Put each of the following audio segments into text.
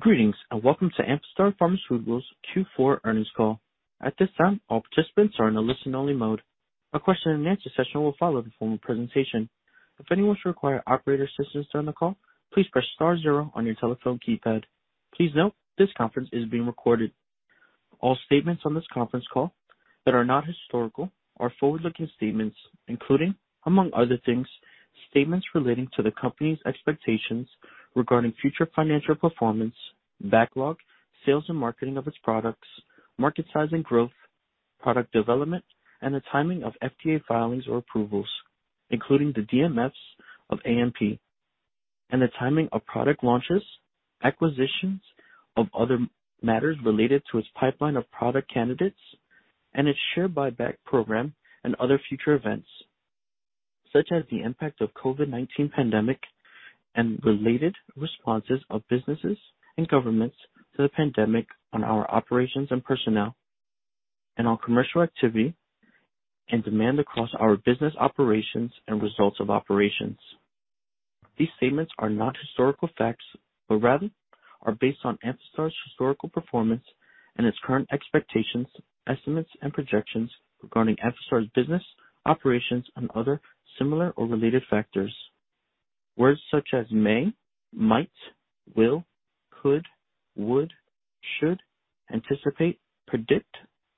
Greetings and welcome to Amphastar Pharmaceuticals Q4 earnings call. At this time, all participants are in a listen-only mode. A question-and-answer session will follow the formal presentation. If anyone should require operator assistance during the call, please press star zero on your telephone keypad. Please note, this conference is being recorded. All statements on this conference call that are not historical are forward-looking statements, including, among other things, statements relating to the company's expectations regarding future financial performance, backlog, sales and marketing of its products, market size and growth, product development, and the timing of FDA filings or approvals, including the DMFs of AMP, and the timing of product launches, acquisitions or other matters related to its pipeline of product candidates and its share buyback program and other future events, such as the impact of the COVID-19 pandemic and related responses of businesses and governments to the pandemic on our operations and personnel, and on commercial activity and demand across our business operations and results of operations. These statements are not historical facts, but rather are based on Amphastar's historical performance and its current expectations, estimates, and projections regarding Amphastar's business, operations, and other similar or related factors. Words such as may, might, will, could, would, should, anticipate, predict,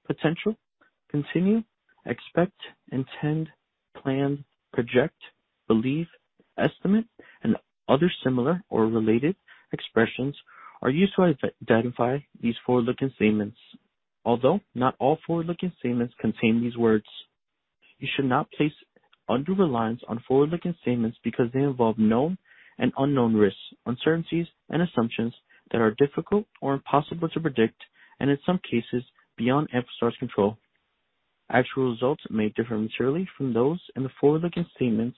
potential, continue, expect, intend, plan, project, believe, estimate, and other similar or related expressions are used to identify these forward-looking statements, although not all forward-looking statements contain these words. You should not place undue reliance on forward-looking statements because they involve known and unknown risks, uncertainties, and assumptions that are difficult or impossible to predict, and in some cases, beyond Amphastar's control. Actual results may differ materially from those in the forward-looking statements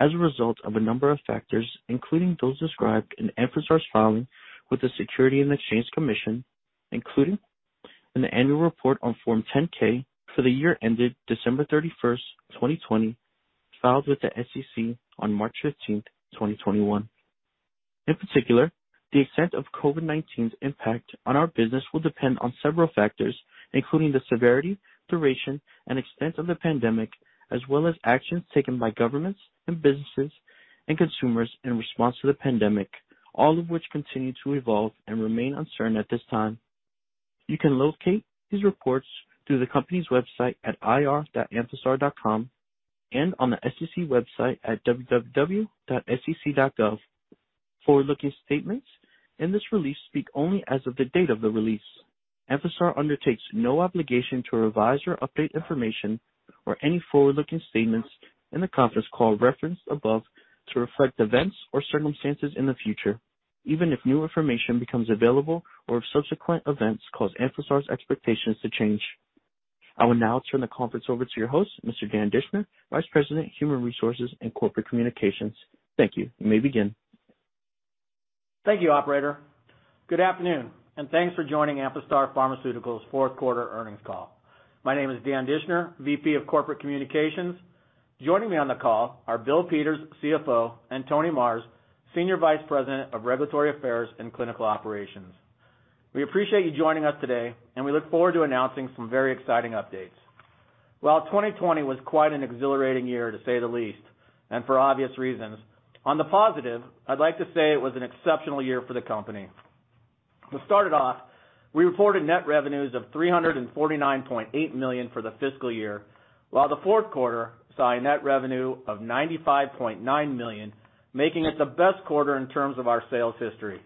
as a result of a number of factors, including those described in Amphastar's filing with the Securities and Exchange Commission, including in the annual report on Form 10-K for the year ended December 31st, 2020, filed with the SEC on March 15th, 2021. In particular, the extent of COVID-19's impact on our business will depend on several factors, including the severity, duration, and extent of the pandemic, as well as actions taken by governments, businesses, and consumers in response to the pandemic, all of which continue to evolve and remain uncertain at this time. You can locate these reports through the company's website at ir.amphastar.com and on the SEC website at www.sec.gov. Forward-looking statements in this release speak only as of the date of the release. Amphastar undertakes no obligation to revise or update information or any forward-looking statements in the conference call referenced above to reflect events or circumstances in the future, even if new information becomes available or if subsequent events cause Amphastar's expectations to change. I will now turn the conference over to your host, Mr. Dan Dischner, Vice President, Human Resources and Corporate Communications. Thank you. You may begin. Thank you, Operator. Good afternoon, and thanks for joining Amphastar Pharmaceuticals' fourth quarter earnings call. My name is Dan Dischner, VP of Corporate Communications. Joining me on the call are Bill Peters, CFO, and Tony Marrs, Senior Vice President of Regulatory Affairs and Clinical Operations. We appreciate you joining us today, and we look forward to announcing some very exciting updates. Well, 2020 was quite an exhilarating year, to say the least, and for obvious reasons. On the positive, I'd like to say it was an exceptional year for the company. To start it off, we reported net revenues of $349.8 million for the fiscal year, while the fourth quarter saw a net revenue of $95.9 million, making it the best quarter in terms of our sales history.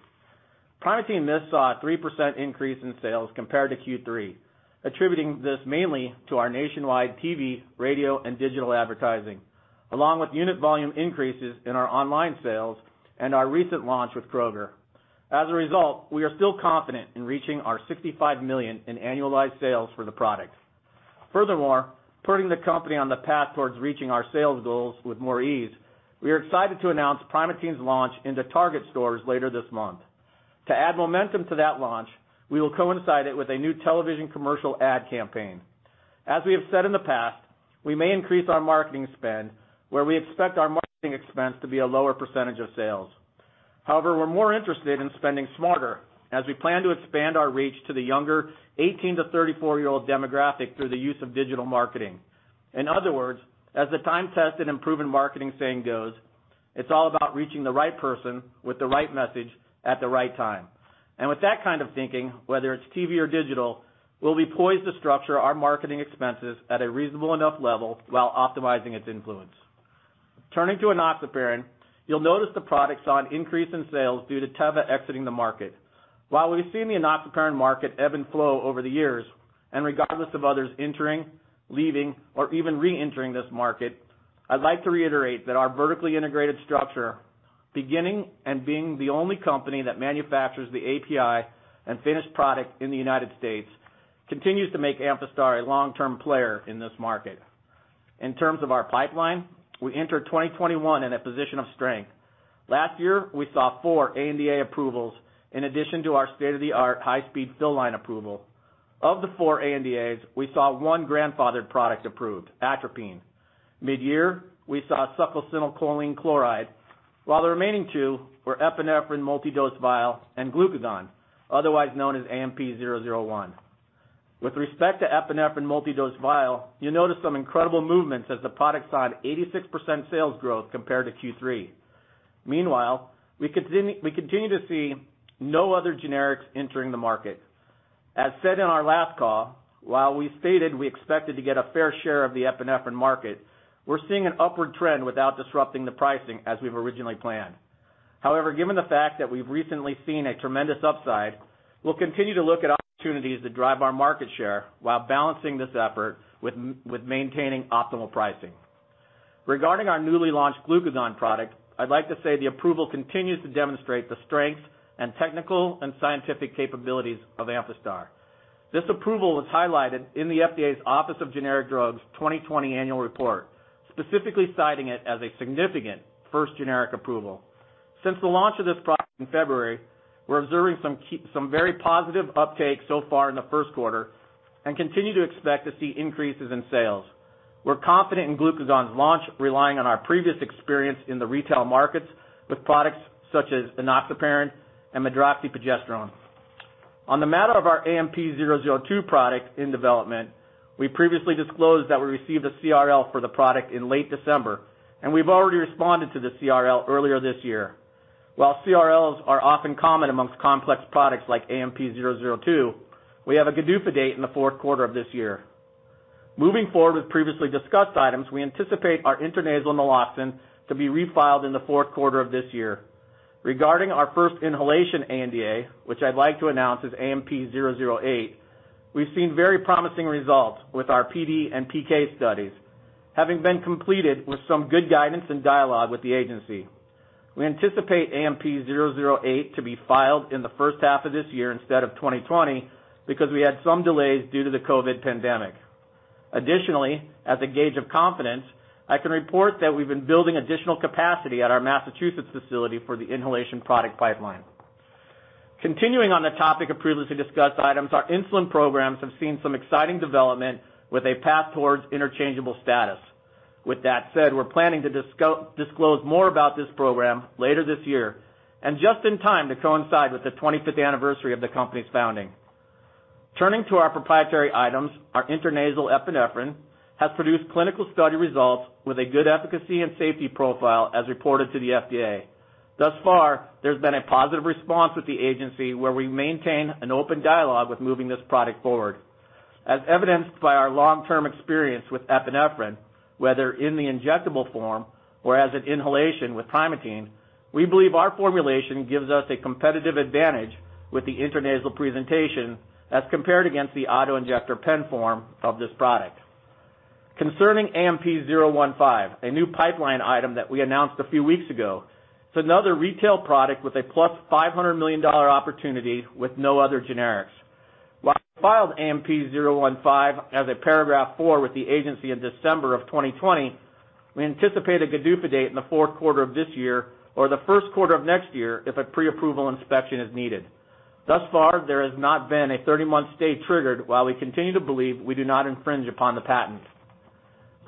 Primatene met a 3% increase in sales compared to Q3, attributing this mainly to our nationwide TV, radio, and digital advertising, along with unit volume increases in our online sales and our recent launch with Kroger. As a result, we are still confident in reaching our $65 million in annualized sales for the product. Furthermore, putting the company on the path towards reaching our sales goals with more ease, we are excited to announce Primatene's launch into Target stores later this month. To add momentum to that launch, we will coincide it with a new television commercial ad campaign. As we have said in the past, we may increase our marketing spend, where we expect our marketing expense to be a lower percentage of sales. However, we're more interested in spending smarter as we plan to expand our reach to the younger 18 to 34-year-old demographic through the use of digital marketing. In other words, as the time-tested and proven marketing saying goes, it's all about reaching the right person with the right message at the right time. And with that kind of thinking, whether it's TV or digital, we'll be poised to structure our marketing expenses at a reasonable enough level while optimizing its influence. Turning to Enoxaparin, you'll notice the product saw an increase in sales due to Teva exiting the market. While we've seen the enoxaparin market ebb and flow over the years, and regardless of others entering, leaving, or even re-entering this market, I'd like to reiterate that our vertically integrated structure, beginning and being the only company that manufactures the API and finished product in the United States, continues to make Amphastar a long-term player in this market. In terms of our pipeline, we entered 2021 in a position of strength. Last year, we saw four ANDA approvals in addition to our state-of-the-art high-speed fill line approval. Of the four ANDAs, we saw one grandfathered product approved, atropine. Mid-year, we saw succinylcholine chloride, while the remaining two were epinephrine multi-dose vial and glucagon, otherwise known as AMP-001. With respect to epinephrine multi-dose vial, you notice some incredible movements as the product saw an 86% sales growth compared to Q3. Meanwhile, we continue to see no other generics entering the market. As said in our last call, while we stated we expected to get a fair share of the epinephrine market, we're seeing an upward trend without disrupting the pricing as we've originally planned. However, given the fact that we've recently seen a tremendous upside, we'll continue to look at opportunities to drive our market share while balancing this effort with maintaining optimal pricing. Regarding our newly launched glucagon product, I'd like to say the approval continues to demonstrate the strength and technical and scientific capabilities of Amphastar. This approval was highlighted in the FDA's Office of Generic Drugs 2020 annual report, specifically citing it as a significant first generic approval. Since the launch of this product in February, we're observing some very positive uptake so far in the first quarter and continue to expect to see increases in sales. We're confident in glucagon's launch, relying on our previous experience in the retail markets with products such as enoxaparin and medroxyprogesterone. On the matter of our AMP-002 product in development, we previously disclosed that we received a CRL for the product in late December, and we've already responded to the CRL earlier this year. While CRLs are often common amongst complex products like AMP-002, we have a GDUFA date in the fourth quarter of this year. Moving forward with previously discussed items, we anticipate our intranasal naloxone to be refiled in the fourth quarter of this year. Regarding our first inhalation ANDA, which I'd like to announce as AMP-008, we've seen very promising results with our PD and PK studies, having been completed with some good guidance and dialogue with the agency. We anticipate AMP-008 to be filed in the first half of this year instead of 2020 because we had some delays due to the COVID pandemic. Additionally, as a gauge of confidence, I can report that we've been building additional capacity at our Massachusetts facility for the inhalation product pipeline. Continuing on the topic of previously discussed items, our insulin programs have seen some exciting development with a path towards interchangeable status. With that said, we're planning to disclose more about this program later this year, and just in time to coincide with the 25th anniversary of the company's founding. Turning to our proprietary items, our intranasal epinephrine has produced clinical study results with a good efficacy and safety profile as reported to the FDA. Thus far, there's been a positive response with the agency where we maintain an open dialogue with moving this product forward. As evidenced by our long-term experience with epinephrine, whether in the injectable form or as an inhalation with Primatene, we believe our formulation gives us a competitive advantage with the intranasal presentation as compared against the autoinjector pen form of this product. Concerning AMP-015, a new pipeline item that we announced a few weeks ago, it's another retail product with a $500 million opportunity with no other generics. While we filed AMP-015 as a Paragraph IV with the agency in December of 2020, we anticipate a GDUFA date in the fourth quarter of this year or the first quarter of next year if a pre-approval inspection is needed. Thus far, there has not been a 30-month stay triggered while we continue to believe we do not infringe upon the patent.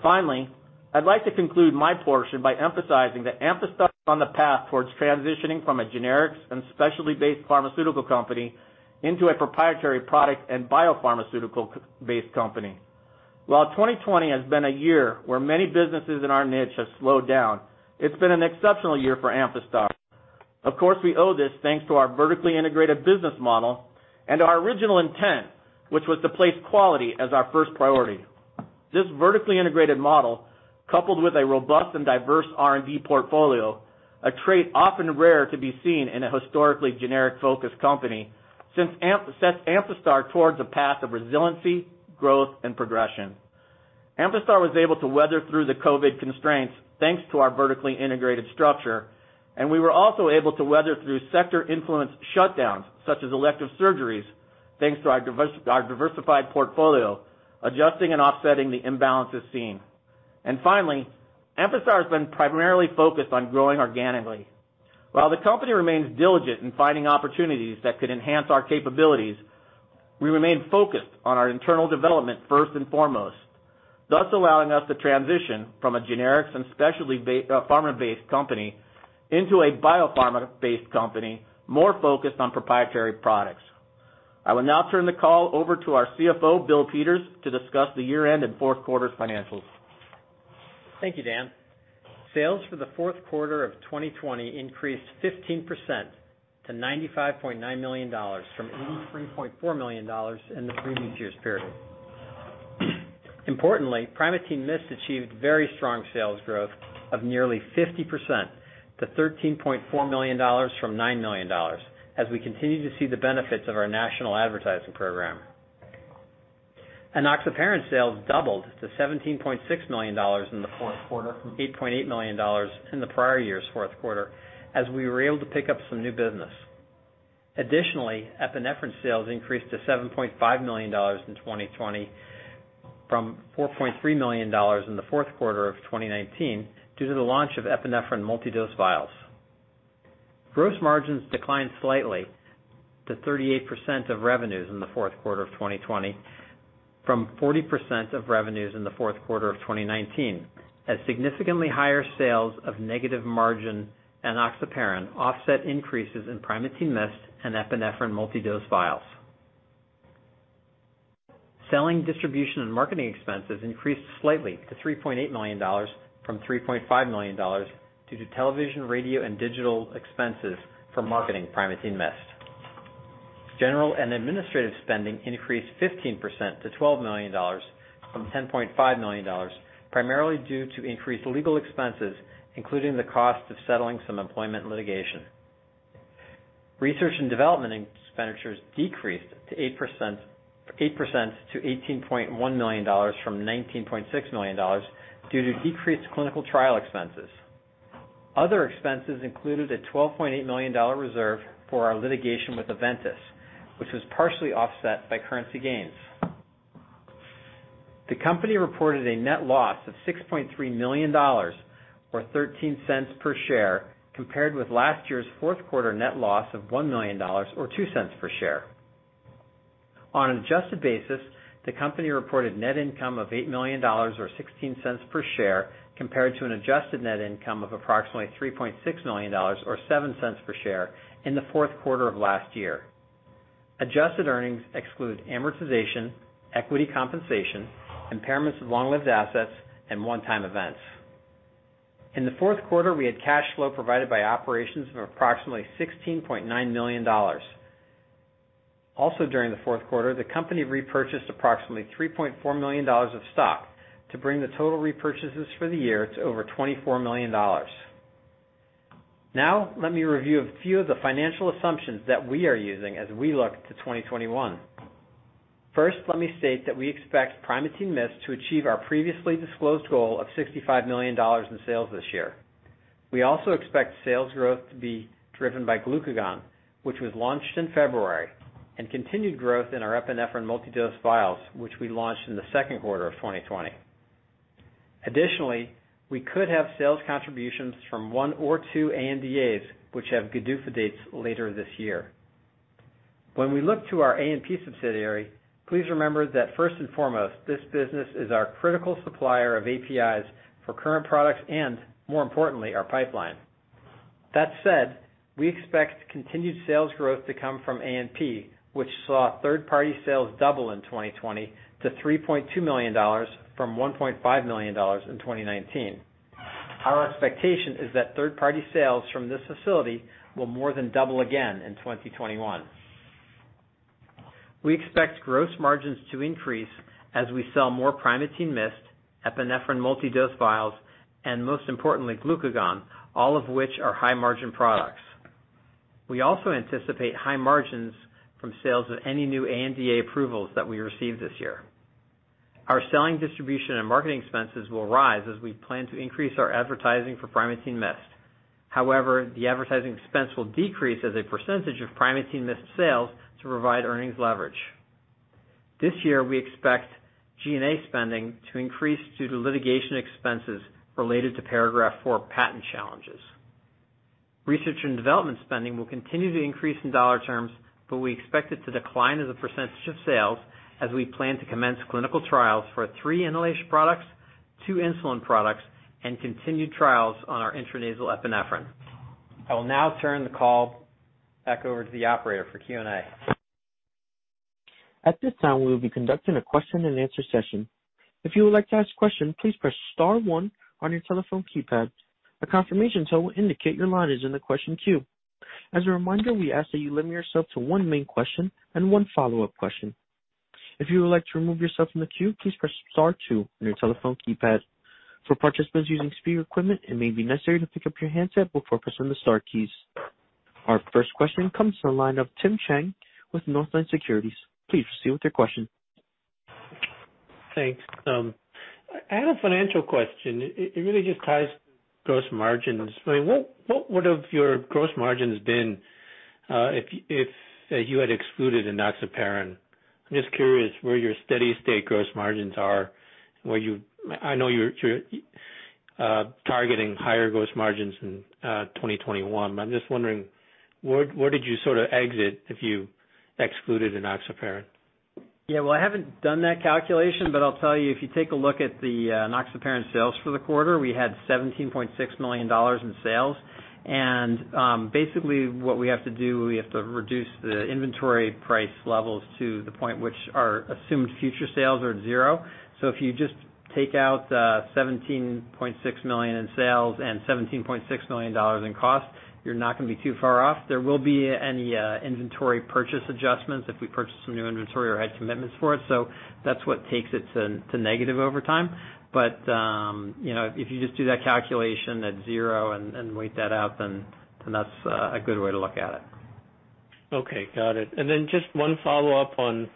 Finally, I'd like to conclude my portion by emphasizing that Amphastar is on the path towards transitioning from a generics and specialty-based pharmaceutical company into a proprietary product and biopharmaceutical-based company. While 2020 has been a year where many businesses in our niche have slowed down, it's been an exceptional year for Amphastar. Of course, we owe this thanks to our vertically integrated business model and our original intent, which was to place quality as our first priority. This vertically integrated model, coupled with a robust and diverse R&D portfolio, a trait often rare to be seen in a historically generic-focused company, sets Amphastar towards a path of resiliency, growth, and progression. Amphastar was able to weather through the COVID constraints thanks to our vertically integrated structure, and we were also able to weather through sector-influenced shutdowns such as elective surgeries thanks to our diversified portfolio, adjusting and offsetting the imbalances seen, and finally, Amphastar has been primarily focused on growing organically. While the company remains diligent in finding opportunities that could enhance our capabilities, we remain focused on our internal development first and foremost, thus allowing us to transition from a generics and specialty pharma-based company into a biopharma-based company more focused on proprietary products. I will now turn the call over to our CFO, Bill Peters, to discuss the year-end and fourth quarter's financials. Thank you, Dan. Sales for the fourth quarter of 2020 increased 15% to $95.9 million from $83.4 million in the previous year's period. Importantly, Primatene Mist achieved very strong sales growth of nearly 50% to $13.4 million from $9 million, as we continue to see the benefits of our national advertising program. Enoxaparin sales doubled to $17.6 million in the fourth quarter from $8.8 million in the prior year's fourth quarter, as we were able to pick up some new business. Additionally, epinephrine sales increased to $7.5 million in 2020 from $4.3 million in the fourth quarter of 2019 due to the launch of epinephrine multi-dose vials. Gross margins declined slightly to 38% of revenues in the fourth quarter of 2020 from 40% of revenues in the fourth quarter of 2019, as significantly higher sales of negative margin enoxaparin offset increases in Primatene Mist and epinephrine multi-dose vials. Selling, distribution, and marketing expenses increased slightly to $3.8 million from $3.5 million due to television, radio, and digital expenses for marketing Primatene Mist. General and administrative spending increased 15% to $12 million from $10.5 million, primarily due to increased legal expenses, including the cost of settling some employment litigation. Research and development expenditures decreased 8% to $18.1 million from $19.6 million due to decreased clinical trial expenses. Other expenses included a $12.8 million reserve for our litigation with Aventis, which was partially offset by currency gains. The company reported a net loss of $6.3 million or $0.13 per share, compared with last year's fourth quarter net loss of $1 million or $0.02 per share. On an adjusted basis, the company reported net income of $8 million or 16 cents per share, compared to an adjusted net income of approximately $3.6 million or 7 cents per share in the fourth quarter of last year. Adjusted earnings exclude amortization, equity compensation, impairments of long-lived assets, and one-time events. In the fourth quarter, we had cash flow provided by operations of approximately $16.9 million. Also, during the fourth quarter, the company repurchased approximately $3.4 million of stock to bring the total repurchases for the year to over $24 million. Now, let me review a few of the financial assumptions that we are using as we look to 2021. First, let me state that we expect Primatene Mist to achieve our previously disclosed goal of $65 million in sales this year. We also expect sales growth to be driven by glucagon, which was launched in February, and continued growth in our epinephrine multi-dose vials, which we launched in the second quarter of 2020. Additionally, we could have sales contributions from one or two ANDAs, which have GDUFA dates later this year. When we look to our ANP subsidiary, please remember that first and foremost, this business is our critical supplier of APIs for current products and, more importantly, our pipeline. That said, we expect continued sales growth to come from ANP, which saw third-party sales double in 2020 to $3.2 million from $1.5 million in 2019. Our expectation is that third-party sales from this facility will more than double again in 2021. We expect gross margins to increase as we sell more Primatene Mist, epinephrine multi-dose vials, and, most importantly, glucagon, all of which are high-margin products. We also anticipate high margins from sales of any new ANDA approvals that we receive this year. Our selling, distribution, and marketing expenses will rise as we plan to increase our advertising for Primatene Mist. However, the advertising expense will decrease as a percentage of Primatene Mist sales to provide earnings leverage. This year, we expect G&A spending to increase due to litigation expenses related to Paragraph IV patent challenges. Research and development spending will continue to increase in dollar terms, but we expect it to decline as a percentage of sales as we plan to commence clinical trials for three inhalation products, two insulin products, and continued trials on our intranasal epinephrine. I will now turn the call back over to the operator for Q&A. At this time, we will be conducting a question-and-answer session. If you would like to ask a question, please press Star 1 on your telephone keypad. A confirmation tool will indicate your line is in the question queue. As a reminder, we ask that you limit yourself to one main question and one follow-up question. If you would like to remove yourself from the queue, please press Star 2 on your telephone keypad. For participants using speaker equipment, it may be necessary to pick up your handset before pressing the Star keys. Our first question comes from the line of Tim Chiang with Northland Securities. Please proceed with your question. Thanks. I had a financial question. It really just ties to gross margins. I mean, what would have your gross margins been if you had excluded enoxaparin? I'm just curious where your steady-state gross margins are. I know you're targeting higher gross margins in 2021, but I'm just wondering, where did you sort of exit if you excluded enoxaparin? Yeah, well, I haven't done that calculation, but I'll tell you, if you take a look at the Enoxaparin sales for the quarter, we had $17.6 million in sales. And basically, what we have to do, we have to reduce the inventory price levels to the point which our assumed future sales are at zero. So if you just take out $17.6 million in sales and $17.6 million in cost, you're not going to be too far off. There will be any inventory purchase adjustments if we purchase some new inventory or had commitments for it. So that's what takes it to negative over time. But if you just do that calculation at zero and weight that out, then that's a good way to look at it. Okay. Got it. And then just one follow-up on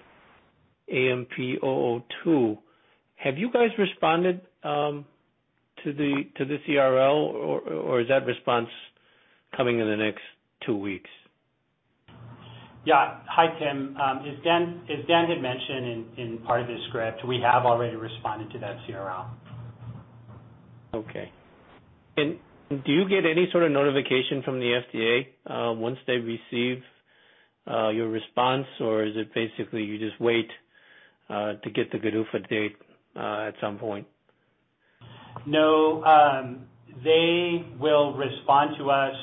AMP-002. Have you guys responded to the CRL, or is that response coming in the next two weeks? Yeah. Hi, Tim. As Dan had mentioned in part of this script, we have already responded to that CRL. Okay. And do you get any sort of notification from the FDA once they receive your response, or is it basically you just wait to get the GDUFA date at some point? No. They will respond to us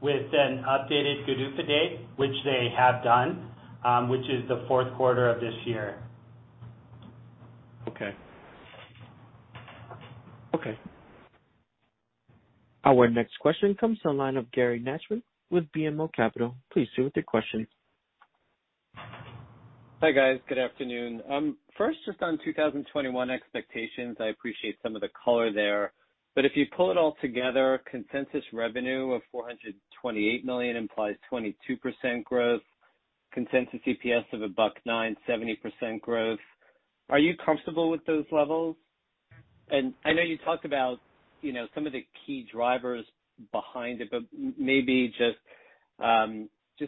with an updated GDUFA date, which they have done, which is the fourth quarter of this year. Okay. Okay. Our next question comes from the line of Gary Nachman with BMO Capital. Please proceed with your question. Hi, guys. Good afternoon. First, just on 2021 expectations, I appreciate some of the color there. But if you pull it all together, consensus revenue of $428 million implies 22% growth, consensus EPS of $1.09, 70% growth. Are you comfortable with those levels? And I know you talked about some of the key drivers behind it, but maybe just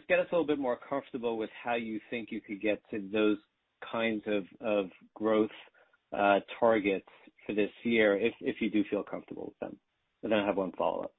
get us a little bit more comfortable with how you think you could get to those kinds of growth targets for this year, if you do feel comfortable with them. And then I have one follow-up.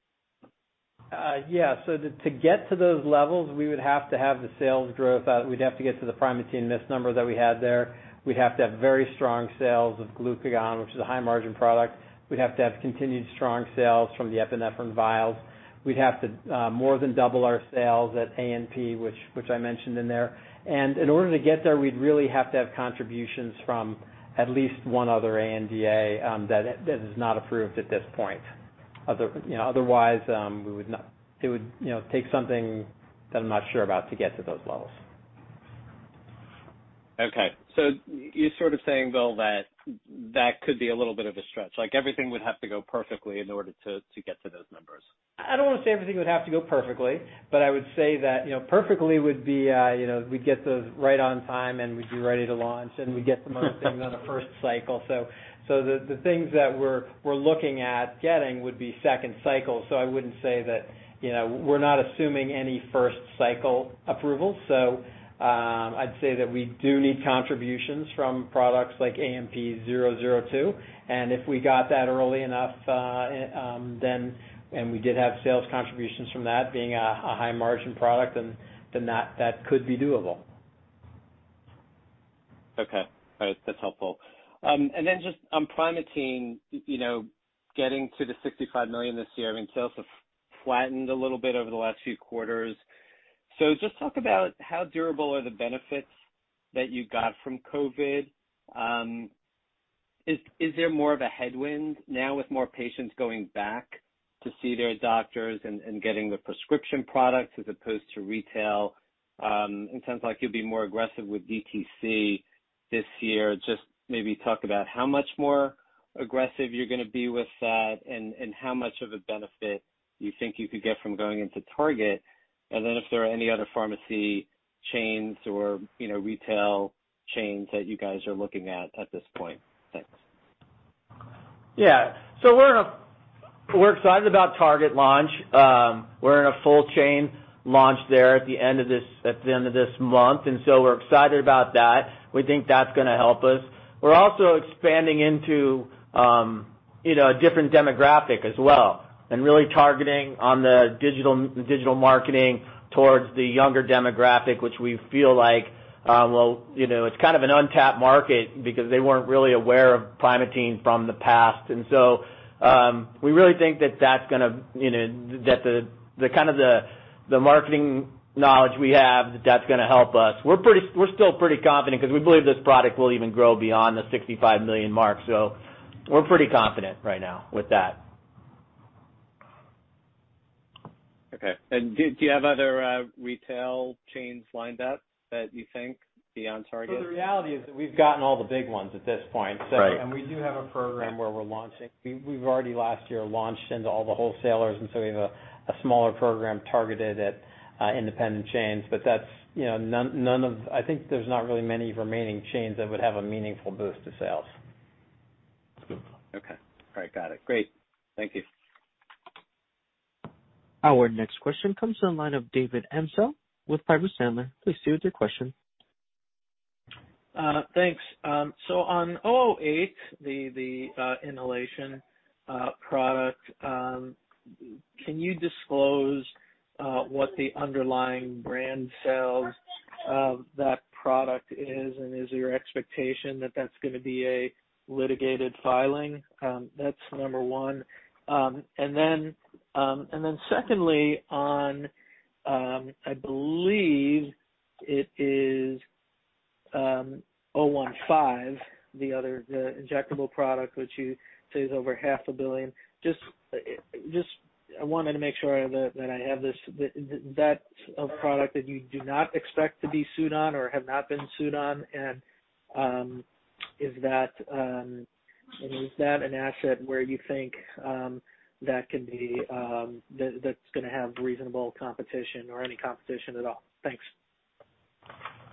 Yeah. So to get to those levels, we would have to have the sales growth. We'd have to get to the Primatene Mist number that we had there. We'd have to have very strong sales of glucagon, which is a high-margin product. We'd have to have continued strong sales from the epinephrine vials. We'd have to more than double our sales at ANP, which I mentioned in there. And in order to get there, we'd really have to have contributions from at least one other ANDA that is not approved at this point. Otherwise, it would take something that I'm not sure about to get to those levels. Okay, so you're sort of saying, Bill, that that could be a little bit of a stretch. Everything would have to go perfectly in order to get to those numbers. I don't want to say everything would have to go perfectly, but I would say that perfectly would be we'd get those right on time, and we'd be ready to launch, and we'd get some other things on the first cycle. So the things that we're looking at getting would be second cycle. So I wouldn't say that we're not assuming any first cycle approvals. So I'd say that we do need contributions from products like AMP-002. And if we got that early enough, then, and we did have sales contributions from that being a high-margin product, then that could be doable. Okay. All right. That's helpful. And then just on Primatene, getting to the $65 million this year, I mean, sales have flattened a little bit over the last few quarters. So just talk about how durable are the benefits that you got from COVID. Is there more of a headwind now with more patients going back to see their doctors and getting the prescription products as opposed to retail? It sounds like you'll be more aggressive with DTC this year. Just maybe talk about how much more aggressive you're going to be with that and how much of a benefit you think you could get from going into Target. And then if there are any other pharmacy chains or retail chains that you guys are looking at at this point. Thanks. Yeah. So we're excited about the Target launch. We're in a full-chain launch there at the end of this month. And so we're excited about that. We think that's going to help us. We're also expanding into a different demographic as well and really targeting the digital marketing towards the younger demographic, which we feel like, well, it's kind of an untapped market because they weren't really aware of Primatene from the past. And so we really think that that's going to—that the kind of the marketing knowledge we have, that that's going to help us. We're still pretty confident because we believe this product will even grow beyond the $65 million mark. So we're pretty confident right now with that. Okay. And do you have other retail chains lined up that you think beyond Target? The reality is that we've gotten all the big ones at this point. We do have a program where we're launching. We've already last year launched into all the wholesalers, and so we have a smaller program targeted at independent chains. That's none of, I think there's not really many remaining chains that would have a meaningful boost to sales. Okay. All right. Got it. Great. Thank you. Our next question comes from the line of David Amsellem with Piper Sandler. Please proceed with your question. Thanks. So on AMP-008, the inhalation product, can you disclose what the underlying brand sales of that product is? And is there an expectation that that's going to be a litigated filing? That's number one. And then secondly, on, I believe it is AMP-015, the injectable product, which you say is over $500 million. Just I wanted to make sure that I have this. That's a product that you do not expect to be sued on or have not been sued on. And is that an asset where you think that can be—that's going to have reasonable competition or any competition at all? Thanks.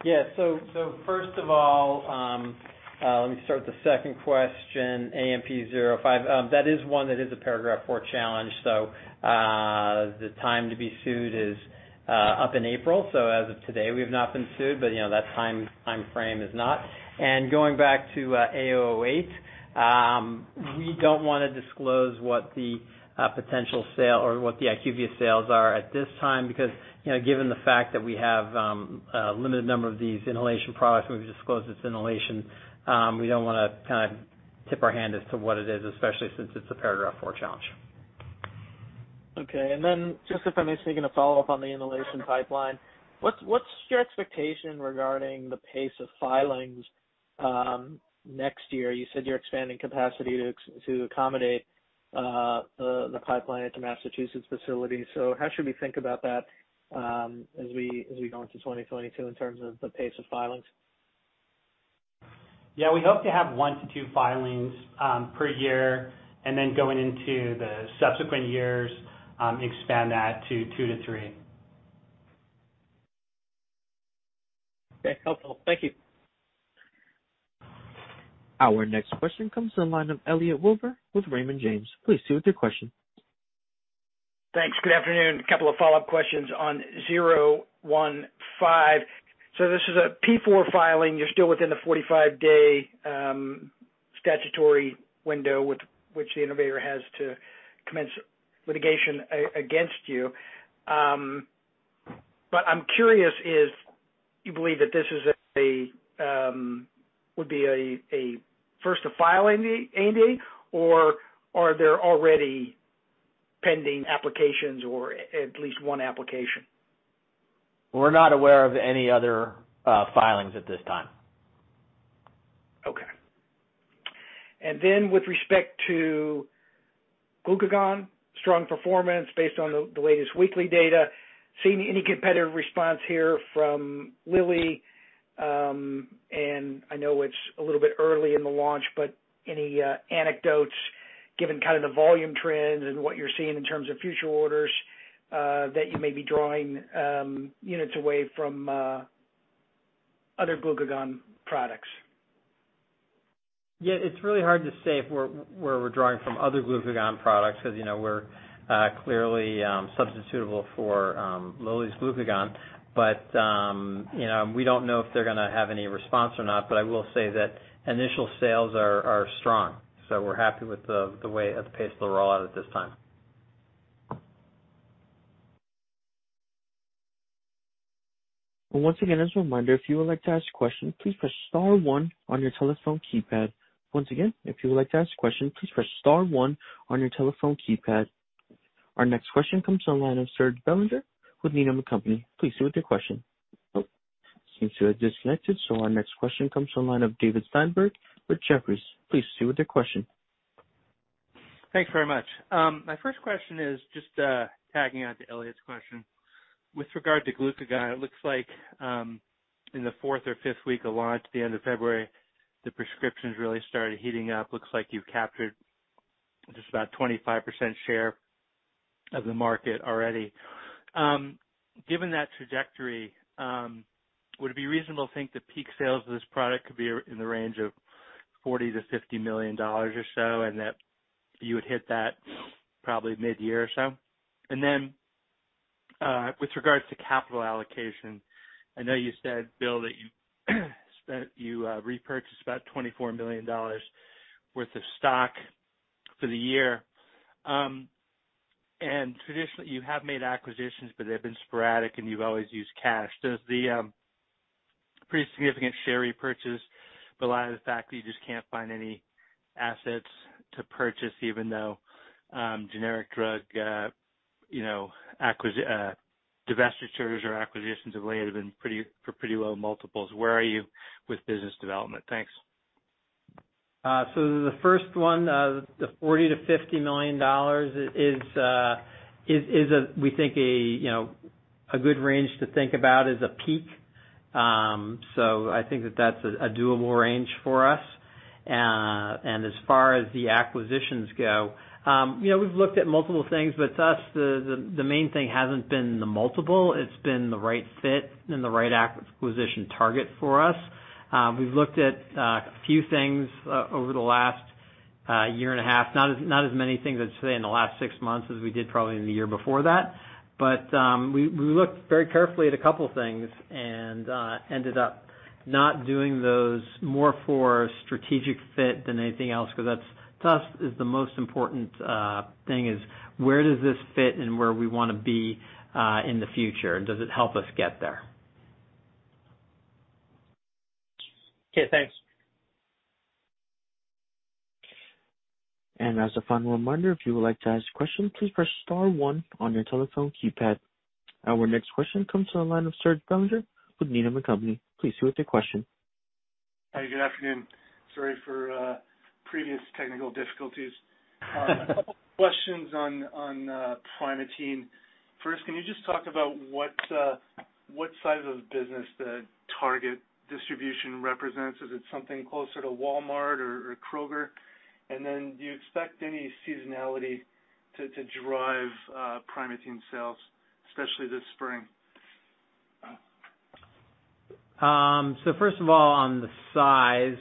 Yeah. So first of all, let me start with the second question, AMP-005. That is one that is a Paragraph IV challenge. So the time to be sued is up in April. So as of today, we have not been sued, but that time frame is not. And going back to AMP-008, we don't want to disclose what the potential sales or what the IQVIA sales are at this time because given the fact that we have a limited number of these inhalation products and we've disclosed its inhalation, we don't want to kind of tip our hand as to what it is, especially since it's a Paragraph IV challenge. Okay, and then just if I may say, going to follow up on the inhalation pipeline. What's your expectation regarding the pace of filings next year? You said you're expanding capacity to accommodate the pipeline at the Massachusetts facility, so how should we think about that as we go into 2022 in terms of the pace of filings? Yeah. We hope to have one to two filings per year, and then going into the subsequent years, expand that to two to three. Okay. Helpful. Thank you. Our next question comes from the line of Elliot Wilbur with Raymond James. Please proceed with your question. Thanks. Good afternoon. A couple of follow-up questions on 015. So this is a P4 filing. You're still within the 45-day statutory window with which the innovator has to commence litigation against you. But I'm curious, do you believe that this would be a first-of-file ANDA, or are there already pending applications or at least one application? We're not aware of any other filings at this time. Okay. And then with respect to glucagon, strong performance based on the latest weekly data. Seen any competitive response here from Lilly? And I know it's a little bit early in the launch, but any anecdotes given kind of the volume trends and what you're seeing in terms of future orders that you may be drawing units away from other glucagon products? Yeah. It's really hard to say where we're drawing from other glucagon products because we're clearly substitutable for Lilly's glucagon, but we don't know if they're going to have any response or not, but I will say that initial sales are strong, so we're happy with the pace of the rollout at this time. Once again, as a reminder, if you would like to ask a question, please press Star 1 on your telephone keypad. Once again, if you would like to ask a question, please press Star 1 on your telephone keypad. Our next question comes from the line of Serge Belanger with Needham & Company. Please proceed with your question. Seems to have disconnected. So our next question comes from the line of David Steinberg with Jefferies. Please proceed with your question. Thanks very much. My first question is just tagging on to Elliot's question. With regard to glucagon, it looks like in the fourth or fifth week of launch at the end of February, the prescriptions really started heating up. Looks like you've captured just about 25% share of the market already. Given that trajectory, would it be reasonable to think the peak sales of this product could be in the range of $40-$50 million or so, and that you would hit that probably mid-year or so? And then with regards to capital allocation, I know you said, Bill, that you repurchased about $24 million worth of stock for the year. And traditionally, you have made acquisitions, but they've been sporadic, and you've always used cash. Does the pretty significant share repurchase belie the fact that you just can't find any assets to purchase, even though generic drug divestitures or acquisitions have been for pretty low multiples? Where are you with business development? Thanks. So the first one, the $40-$50 million, is we think a good range to think about as a peak. So I think that that's a doable range for us. And as far as the acquisitions go, we've looked at multiple things, but to us, the main thing hasn't been the multiple. It's been the right fit and the right acquisition target for us. We've looked at a few things over the last year and a half. Not as many things I'd say in the last six months as we did probably in the year before that. But we looked very carefully at a couple of things and ended up not doing those more for strategic fit than anything else because to us, the most important thing is where does this fit and where we want to be in the future, and does it help us get there? Okay. Thanks. As a final reminder, if you would like to ask a question, please press Star 1 on your telephone keypad. Our next question comes from the line of Serge Belanger with Needham & Company. Please proceed with your question. Hey. Good afternoon. Sorry for previous technical difficulties. A couple of questions on Primatene. First, can you just talk about what size of business the Target distribution represents? Is it something closer to Walmart or Kroger? And then do you expect any seasonality to drive Primatene sales, especially this spring? First of all, on the size,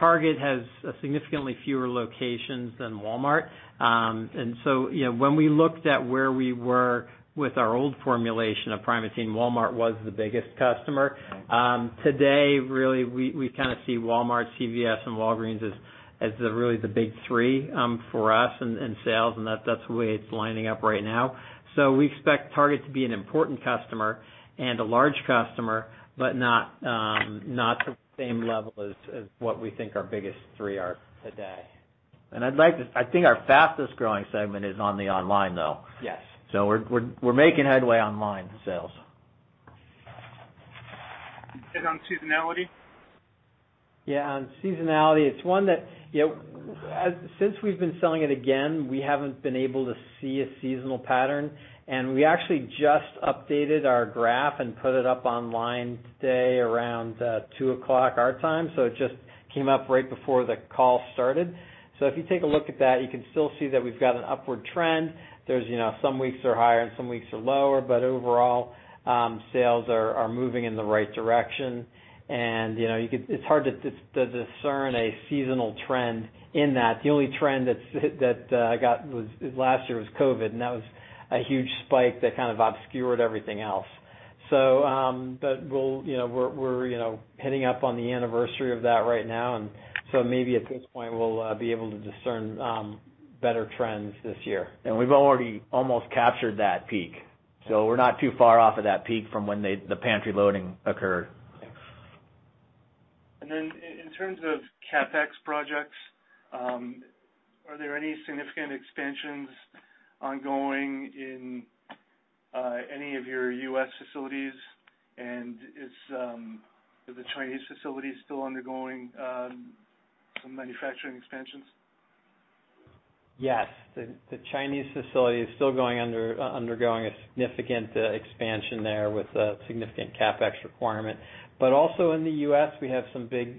Target has significantly fewer locations than Walmart. And so when we looked at where we were with our old formulation of Primatene, Walmart was the biggest customer. Today, really, we kind of see Walmart, CVS, and Walgreens as really the big three for us in sales, and that's the way it's lining up right now. We expect Target to be an important customer and a large customer, but not to the same level as what we think our biggest three are today. And I think our fastest growing segment is on the online, though. We're making headway online sales. On seasonality? Yeah. On seasonality, it's one that since we've been selling it again, we haven't been able to see a seasonal pattern, and we actually just updated our graph and put it up online today around 2:00 P.M. our time, so it just came up right before the call started, so if you take a look at that, you can still see that we've got an upward trend. There's some weeks that are higher and some weeks that are lower, but overall, sales are moving in the right direction, and it's hard to discern a seasonal trend in that. The only trend that I got last year was COVID, and that was a huge spike that kind of obscured everything else, but we're hitting up on the anniversary of that right now, and so maybe at this point, we'll be able to discern better trends this year. And we've already almost captured that peak. So we're not too far off of that peak from when the pantry loading occurred. And then in terms of CapEx projects, are there any significant expansions ongoing in any of your U.S. facilities? And is the Chinese facility still undergoing some manufacturing expansions? Yes. The Chinese facility is still undergoing a significant expansion there with a significant CapEx requirement. But also in the U.S., we have some big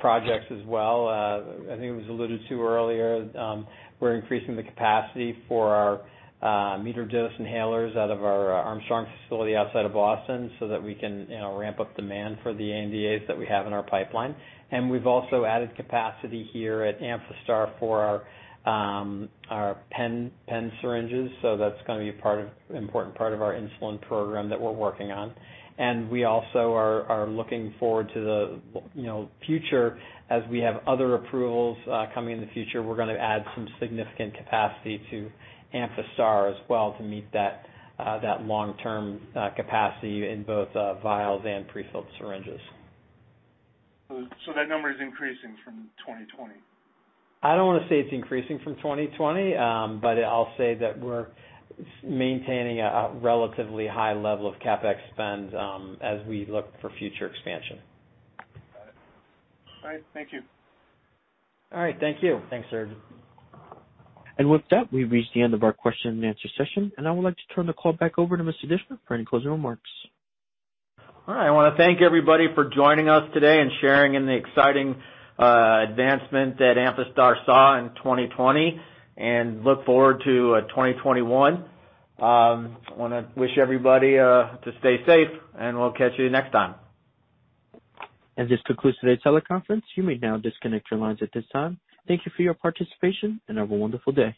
projects as well. I think it was alluded to earlier. We're increasing the capacity for our metered-dose inhalers out of our Armstrong facility outside of Boston so that we can ramp up demand for the ANDAs that we have in our pipeline. And we've also added capacity here at Amphastar for our pen syringes. So that's going to be an important part of our insulin program that we're working on. And we also are looking forward to the future. As we have other approvals coming in the future, we're going to add some significant capacity to Amphastar as well to meet that long-term capacity in both vials and prefilled syringes. So that number is increasing from 2020? I don't want to say it's increasing from 2020, but I'll say that we're maintaining a relatively high level of CapEx spend as we look for future expansion. Got it. All right. Thank you. All right. Thank you. Thanks, Serge. With that, we've reached the end of our question-and-answer session. I would like to turn the call back over to Mr. Dischner for any closing remarks. All right. I want to thank everybody for joining us today and sharing in the exciting advancement that Amphastar saw in 2020 and look forward to 2021. I want to wish everybody to stay safe, and we'll catch you next time. This concludes today's teleconference. You may now disconnect your lines at this time. Thank you for your participation and have a wonderful day.